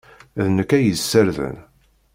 D nekk ay yessarden.